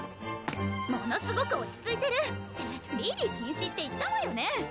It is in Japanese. ものすごく落ち着いてる！ってリリー禁止って言ったわよね？